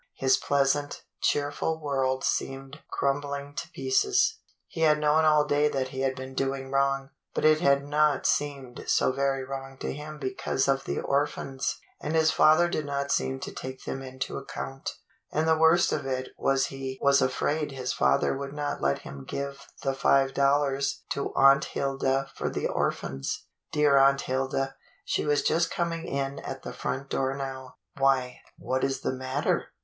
His pleasant, cheerful world seemed crumbling to pieces. He had known all day that he had been doing wrong, but it had not seemed so very wrong to him because of the orphans, and his father did not seem to take them into account. And the worst of it was he was afraid his father would not let him give the five dol lars to Aunt Hilda for the orphans. Dear Aunt Hilda, she was just coming in at the front door now. "Why, what is the matter.